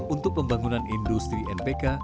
untuk pembangunan industri npk